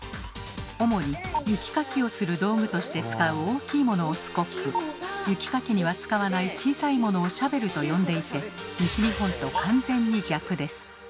主に雪かきをする道具として使う大きいものをスコップ雪かきには使わない小さいものをシャベルと呼んでいて西日本と完全に逆です。